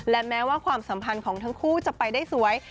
และแม้ว่าความสัมพันธ์ของทั้งคู่จะไปได้สวย